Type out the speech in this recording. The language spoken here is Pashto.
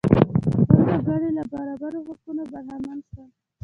ټول وګړي له برابرو حقونو برخمن شول.